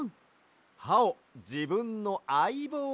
はをじぶんの「あいぼう」